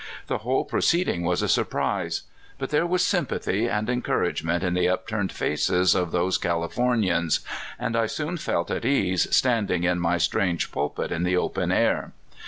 The whole pro ceeding was a surprise. But there was sympathy and encouragement in the upturned faces of those Californians, and I soon felt at ease standing in my strange pulpit in the open air.